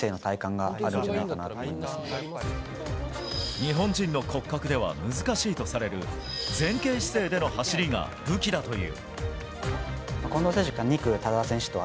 日本人の骨格では難しいとされる前傾姿勢での走りが武器だという。